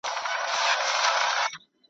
په ښه نظر ځکه آسمان نۀ ګوري